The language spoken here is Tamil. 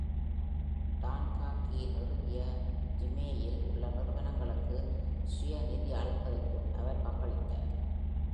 டான் கா கீ நிறுவிய ஜிமேயில் உள்ள நிறுவனங்களுக்கு சுயநிதியளிப்பதற்கும் அவர் பங்களித்தார்.